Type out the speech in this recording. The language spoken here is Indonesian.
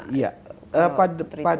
kalau treatment itu